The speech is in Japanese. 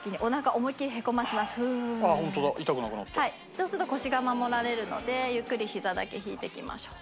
そうすると腰が守られるのでゆっくりひざだけ引いていきましょう。